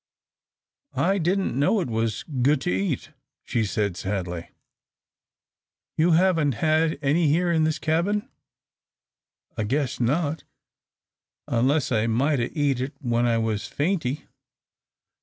"I didn't know it was good to eat," she said, sadly. "You haven't had any here in this cabin?" "I guess not, unless I might 'a' eat it when I was fainty."